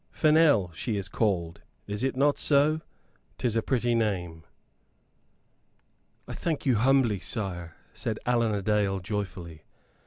Fennel, she is called, is't not so? 'Tis a pretty name." "I thank you humbly, sire," said Allan a Dale, joyfully.